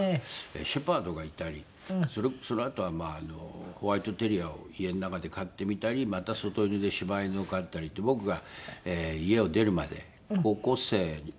シェパードがいたりそのあとはまあホワイト・テリアを家の中で飼ってみたりまた外犬で柴犬を飼ったりって僕が家を出るまで高校生まではずっと。